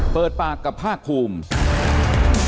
เปิดปากกับภาคภูมิ